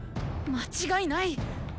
間違いない。